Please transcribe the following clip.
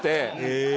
へえ。